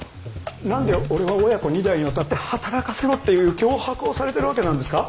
なんで俺は親子二代にわたって働かせろっていう脅迫をされてるわけなんですか？